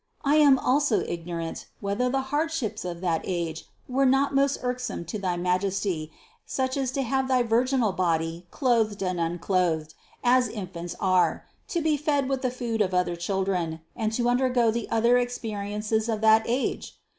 I am also ignorant, whether the hardships of that age were not most irksome to thy Majesty, such as to have thy virginal body clothed and unclothed as in fants are, to be fed with the food of other children, and to undergo the other experiences of that age?